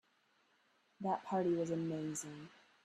That party was amazing.